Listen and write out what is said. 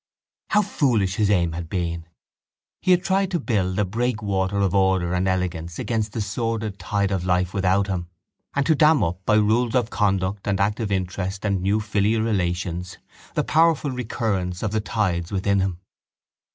How foolish his aim had been! He had tried to build a breakwater of order and elegance against the sordid tide of life without him and to dam up, by rules of conduct and active interest and new filial relations, the powerful recurrence of the tides within him.